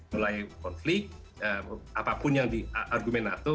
mulai konflik apapun yang diargumen atau